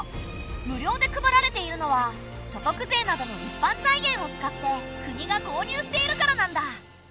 無料で配られているのは所得税などの一般財源を使って国が購入しているからなんだ。